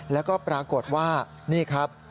แล้วก็ปรากฏว่า